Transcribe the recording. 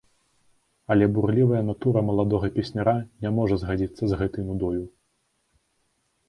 Але бурлівая натура маладога песняра не можа згадзіцца з гэтай нудою.